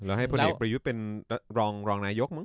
แล้วให้พลเอกประยุทธ์เป็นรองนายกมั